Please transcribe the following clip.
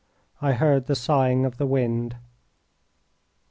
I heard the sighing of the wind.